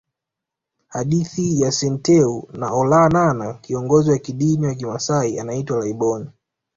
Hadithi ya Senteu na Olanana Kiongozi wa kidini wa kimasai anaitwa Laiboni